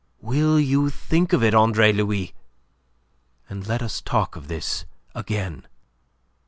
Will you think of it, Andre Louis, and let us talk of this again?"